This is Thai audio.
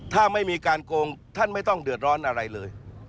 ถ้าไม่มีการโกงท่านไม่ต้องเดือดร้อนอะไรเลย